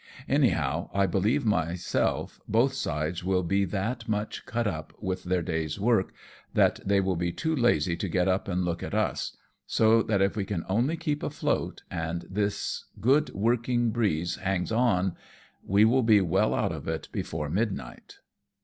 Anyhow, I believe myself, both sides will be that much cut up with their day's work that they will be too lazy to get up and look at uSj so that if we can only keep afloat, and this good working breeze hangs on, we will be well out of it before midnight."